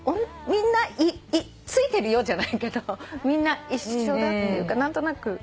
みんなついてるよじゃないけどみんな一緒だっていうか何となく。